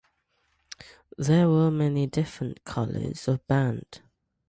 There were many different colours of band.